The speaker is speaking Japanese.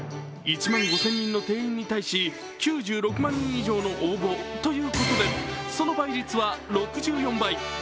１万５０００人の定員に対し９６万人以上の応募ということでその倍率は６４倍。